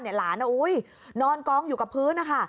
หลานนอนกองอยู่กับพื้นนะคะ